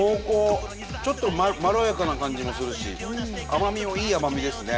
ちょっとまろやかな感じもするし甘味もいい甘味ですね。